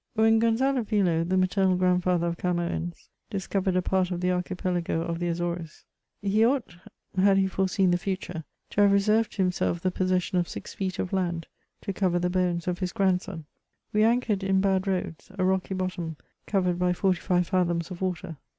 When Gonzalo Villo, the maternal grandfather of CamoSns, discovered a part of the archipelago of the Azores, he ought, had he foreseen the future, to have reserved to himself the possession of six feet of land, to cover the bones of his* grand^ son. We anchored in bad roads, a rocky bottom, covered by forty five fathoms of water.